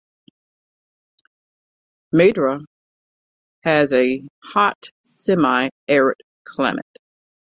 Madera has a hot semi-arid climate.